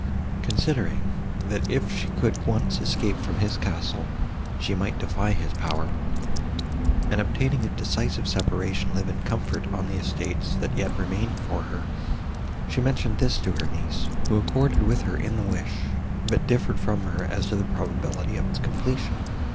Considering, that, if she could once escape from his castle, she might defy his power, and, obtaining a decisive separation, live in comfort on the estates, that yet remained for her, she mentioned this to her niece, who accorded with her in the wish, but differed from her, as to the probability of its completion.